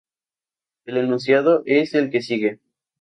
El enunciado es el que sigue.